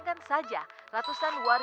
dengan status yang luas